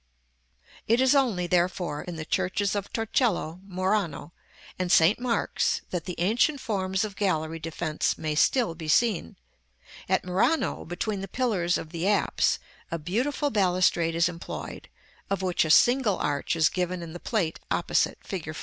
It is only, therefore, in the churches of Torcello, Murano, and St. Mark's, that the ancient forms of gallery defence may still be seen. At Murano, between the pillars of the apse, a beautiful balustrade is employed, of which a single arch is given in the Plate opposite, fig.